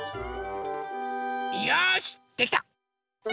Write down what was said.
よしできた！